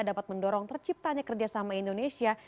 dapat mendorong terciptanya kerjasama indonesia